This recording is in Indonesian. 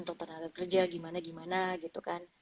untuk tenaga kerja gimana gimana gitu kan